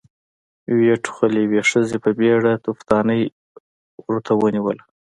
ويې ټوخل، يوې ښځې په بيړه توفدانۍ ورته ونېوله.